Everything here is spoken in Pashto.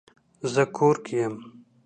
زه کور کې یم